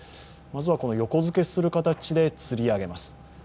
まずは横付けする形でつり上げます。